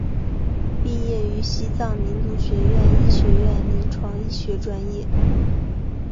毕业于西藏民族学院医学院临床医学专业。